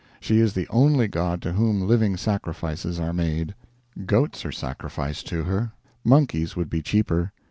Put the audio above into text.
She is the only god to whom living sacrifices are made. Goats are sacrificed to her. Monkeys would be cheaper.